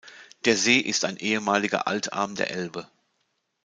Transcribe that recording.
Der See ist ein ehemaliger Altarm der Elbe.